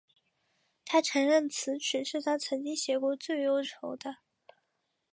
她承认此曲是她曾经写过最忧愁的。